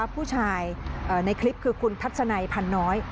ผู้ชายในคลิปคือคุณทัศนัยพันน้อย